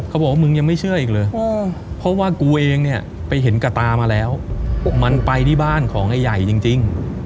บอกว่ามึงยังไม่เชื่ออีกเลยเพราะว่ากูเองเนี่ยไปเห็นกระตามาแล้วมันไปที่บ้านของไอ้ใหญ่จริง